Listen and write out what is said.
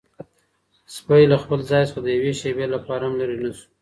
سپی له خپل ځای څخه د یوې شېبې لپاره هم لیرې نه شو.